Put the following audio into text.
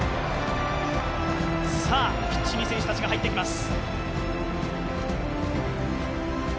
ピッチに選手たちが入っていきます。